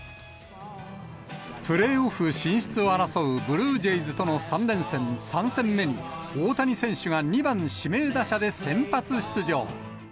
プレーオフ進出を争うブルージェイズとの３連戦３戦目に、大谷選手が２番指名打者で先発出場。